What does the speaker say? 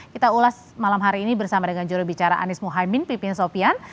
kita ulas malam hari ini bersama dengan jurubicara anies muhaymin pipin sopian